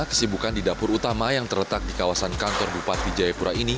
kesibukan di dapur utama yang terletak di kawasan kantor bupati jayapura ini